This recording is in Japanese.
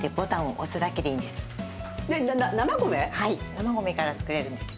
生米から作れるんです。